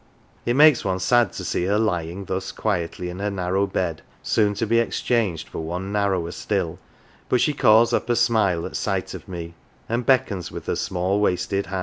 It makes one sad to see her lying thus quietly in her narrow bed, soon to be exchanged for one narrower still; but she calls up a smile at sight of me, and beckons with her small wasted hand.